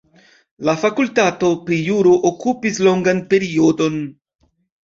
La fakultato pri juro okupis longan periodon.